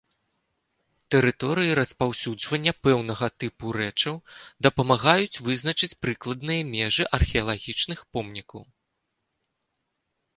Тэрыторыі распаўсюджвання пэўнага тыпу рэчаў дапамагаюць вызначыць прыкладныя межы археалагічных помнікаў.